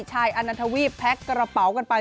ชายอณทวีปแพ็คกระเป๋ากันไป